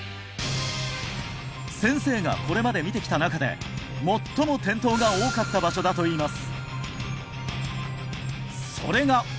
先生がこれまで診てきた中で最も転倒が多かった場所だといいます